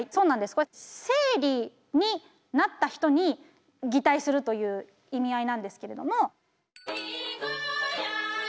これは生理になった人に擬態するという意味合いなんですけれども。